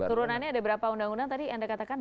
turunannya ada berapa undang undang tadi anda katakan